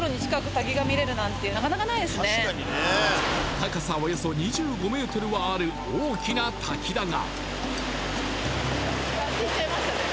高さおよそ２５ｍはある大きな滝だが・